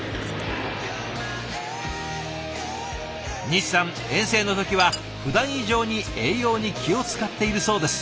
西さん遠征の時はふだん以上に栄養に気を遣っているそうです。